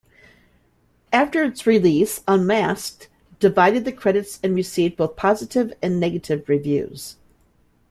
After its release, Unmasked, divided the critics and received both positive and negative reviews.